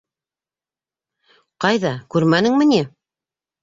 Ҡайҙа, күрмәнеңме ни!